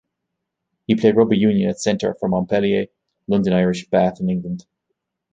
He played rugby union at centre for Montpellier, London Irish, Bath and England.